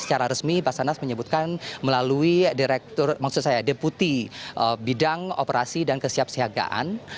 secara resmi basanas menyebutkan melalui deputi bidang operasi dan kesiap siagaan